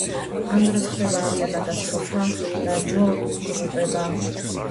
ამ დროს ხდება ავიაკატასტროფა და ჯო იღუპება.